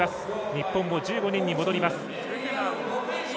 日本も１５人に戻ります。